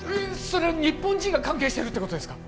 それは日本人が関係してるってことですか？